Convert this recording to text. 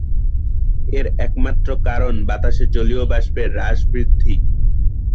এর একমাত্র কারণ বাতাসে জলীয় বাষ্পের হ্রাস-বৃদ্ধি।